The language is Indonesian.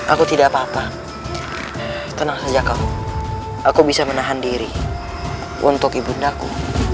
aku tidak apa apa tenang saja kamu aku bisa menahan diri untuk ibundaku